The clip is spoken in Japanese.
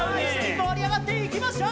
もりあがっていきましょう！